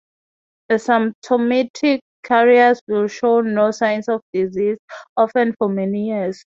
Asymptomatic carriers will show no signs of disease, often for many years.